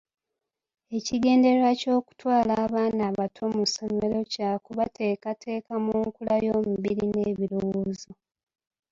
Ekigendererwa ky’okutwala abaana abato mu masomero kya kubateekateeka mu nkula y’omubiri n’ebirowoozo.